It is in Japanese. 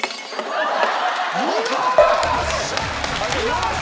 よし！